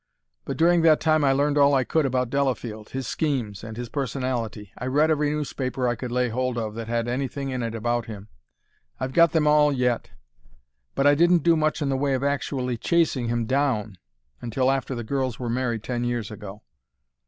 But during that time I learned all I could about Delafield, his schemes, and his personality. I read every newspaper I could lay hold of that had anything in it about him; I've got them all yet. But I didn't do much in the way of actually chasing him down until after the girls were married ten years ago.